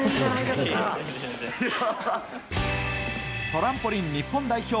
トランポリン日本代表